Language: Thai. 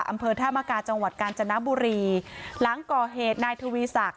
อำเภอธ่ามกาจังหวัดกาญจนบุรีหลังก่อเหตุนายทวีสรรคุณอายุสามสิบห้าปี